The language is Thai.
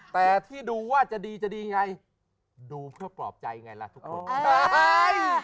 แต่ที่ดูว่าจะดีจะดีไงดูเพื่อปลอบใจไงล่ะทุกคน